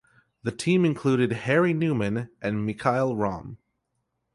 The team included Harry Newman and Mikhail Romm.